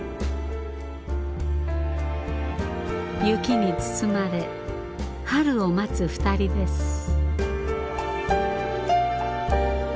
雪に包まれ春を待つ２人です。